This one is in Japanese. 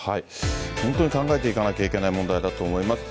本当に考えていかなきゃいけない問題だと思います。